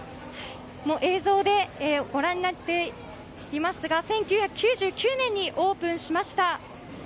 映像でご覧になっていますが１９９９年にオープンしました。